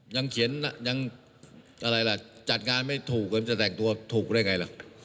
ยังเขียนยังอะไรล่ะจัดงานไม่ถูกกันจะแต่งตัวถูกได้ไงล่ะ